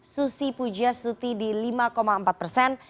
susi pujastuti di lima empat persen